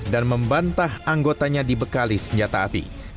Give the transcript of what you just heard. dan membantah anggotanya dibekali senjata api